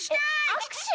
あくしゅ！？